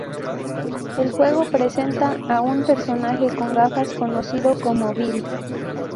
El juego presenta a un personaje con gafas, conocido como "Bill".